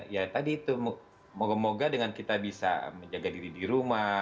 ya tadi itu moga moga dengan kita bisa menjaga diri di rumah